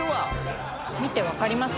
見て分かります？